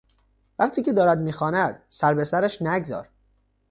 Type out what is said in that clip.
وقتی که دارد میخواند سر به سرش نگذار.